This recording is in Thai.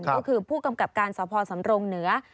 ก็คือผู้กำกับการสภสำรงเหนือ